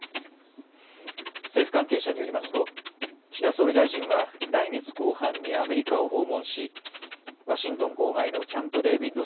政府関係者によりますと岸田総理大臣は来月後半にアメリカを訪問しワシントン郊外のキャンプ・デービッド